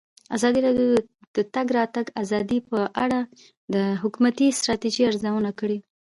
ازادي راډیو د د تګ راتګ ازادي په اړه د حکومتي ستراتیژۍ ارزونه کړې.